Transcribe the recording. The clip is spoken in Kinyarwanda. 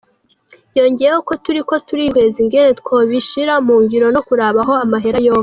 Yongeyeko ko "turiko turihweza ingene twobishira mu ngiro no kuraba aho amahera yova".